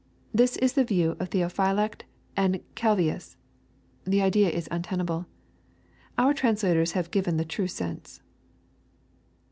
This is the view of Theophylact and Calovius. The idea is untenable. Our translators have given the true sense.